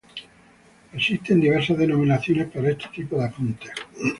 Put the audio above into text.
Existen diversas denominaciones para este tipo de apunte.